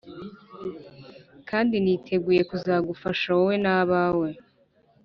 kandi niteguye kuzagufasha wowe nabawe,